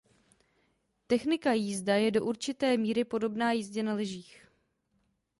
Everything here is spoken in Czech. Technika jízda je do určité míry podobná jízdě na lyžích.